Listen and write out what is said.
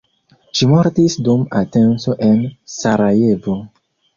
Ŝi mortis dum atenco en Sarajevo.